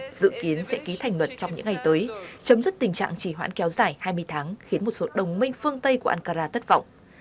tổng thống thổ nhĩ kỳ sẽ ký thành luật trong những ngày tới chấm dứt tình trạng trì hoãn kéo dài hai mươi tháng khiến một số đồng minh phương tây của ankara tất vọng